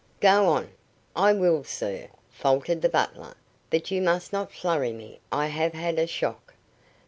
"Go on." "I will, sir," faltered the butler, "but you must not flurry me. I have had a shock."